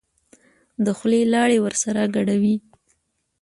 د خولې لاړې ورسره ګډوي.